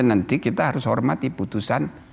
nanti kita harus hormati putusan